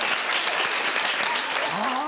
あぁ